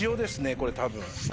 これ多分。